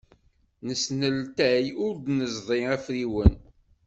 Nesneltay ur d-neẓḍi afriwen.